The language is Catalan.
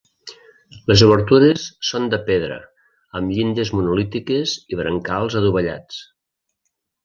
Les obertures són de pedra, amb llindes monolítiques i brancals adovellats.